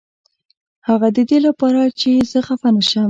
هغه ددې لپاره چې زه خفه نشم.